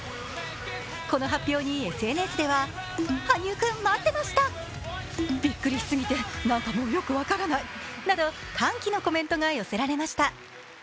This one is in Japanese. この発表にＳＮＳでは、羽生君待ってました、びっくりしすぎてなんかもうよく分からないなど歓喜のコメントが寄せられました。